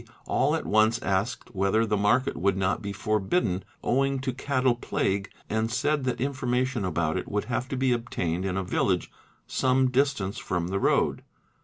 all at once asked whether the market would not be forbidden owing to cattle plague and — said that information about it would have to be obtained in a village some distance from the road.